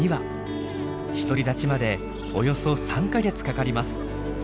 独り立ちまでおよそ３か月かかります。